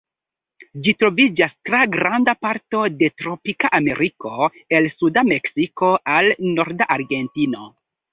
Ĝi troviĝas tra granda parto de tropika Ameriko, el suda Meksiko al norda Argentino.